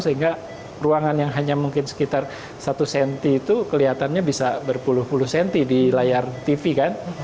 sehingga ruangan yang hanya mungkin sekitar satu cm itu kelihatannya bisa berpuluh puluh cm di layar tv kan